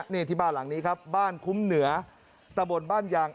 นี่ที่บ้านหลังนี้ครับบ้านคุ้มเหนือตะบนบ้านยาง